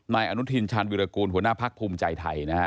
นายอนุทินชาญวิรากูลหัวหน้าพักภูมิใจไทยนะฮะ